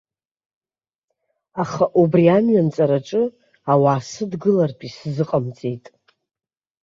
Аха убри амҩа анҵараҿы ауаа сыдгылартә исзыҟамҵеит.